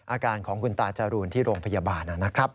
อาการของคุณตาจรูนที่โรงพยาบาลนะครับ